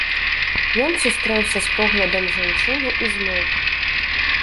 Ён сустрэўся з поглядам жанчыны і змоўк.